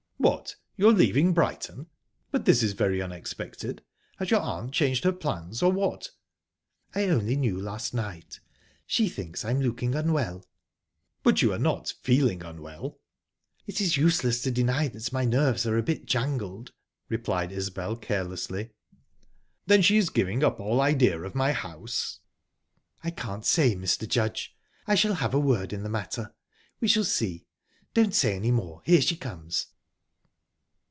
"What! You're leaving Brighton? But this is very unexpected. Has your aunt changed her plans, or what?" "I only knew last night. She thinks I am looking unwell." "But you are not feeling unwell?" "It's useless to deny that my nerves are a bit jangled," replied Isbel carelessly. "Then she is giving up all idea of my house?" "I can't say, Mr. Judge. I shall have a word in the matter. We shall see. Don't say any more here she comes."